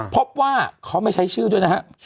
เพราะว่าเขาไม่ใช้ชื่อด้วยนะฮะ